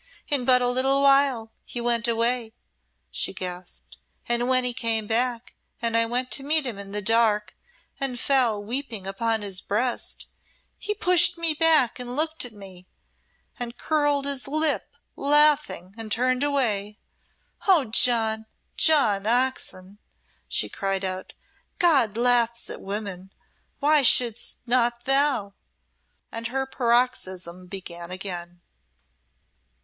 "In but a little while he went away," she gasped "and when he came back, and I went to meet him in the dark and fell weeping upon his breast, he pushed me back and looked at me, and curled his lip laughing, and turned away! Oh, John! John Oxon!" she cried out, "God laughs at women why shouldst not thou?" and her paroxysm began again.